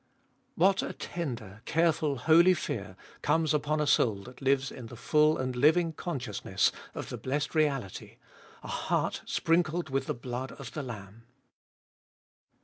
3. What a tender, careful, holy fear comes upon a soul that Hues In the full and living consciousness of the blessed reality— a heart sprinkled with the blood of the Lamb.